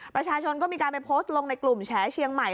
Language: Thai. ประชาชนก็มีการไปโพสต์ลงในกลุ่มแฉเชียงใหม่